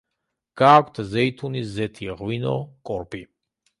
გააქვთ ზეითუნის ზეთი, ღვინო, კორპი.